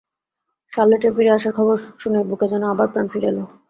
শার্লেটের ফিরে আসার খবর শুনে বুকে যেন আবার প্রাণ ফিরে এল।